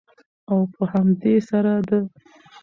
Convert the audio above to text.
او په همدې سره د